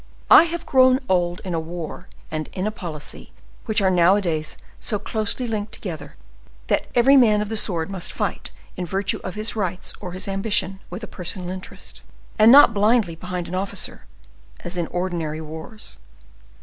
I have grown old in a war and in a policy which are nowadays so closely linked together, that every man of the sword must fight in virtue of his rights or his ambition with a personal interest, and not blindly behind an officer, as in ordinary wars.